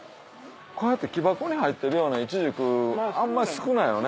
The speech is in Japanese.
こうやって木箱に入ってるようなイチジクあんま少ないよね。